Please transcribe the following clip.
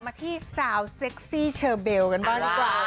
มาที่สาวเซ็กซี่เชอเบลกันบ้างดีกว่า